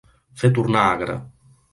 Fer tornar agre.